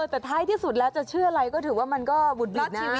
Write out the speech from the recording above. แต่ท้ายที่สุดแล้วจะเชื่ออะไรก็ถือว่ามันก็บุดบิดชีวิต